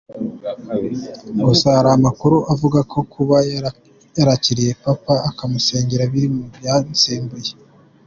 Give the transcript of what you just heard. Gusa hari amakuru avuga ko kuba yarakiriye Papa akamusengera biri mu byamusembuye.